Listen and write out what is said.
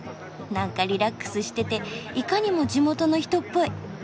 なんかリラックスしてていかにも地元の人っぽい。